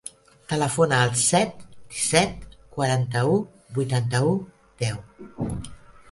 Telefona al set, disset, quaranta-u, vuitanta-u, deu.